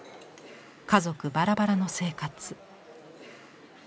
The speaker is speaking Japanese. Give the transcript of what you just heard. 家族バラバラの生活。